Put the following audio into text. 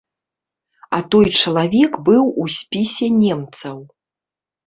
А той чалавек быў у спісе немцаў.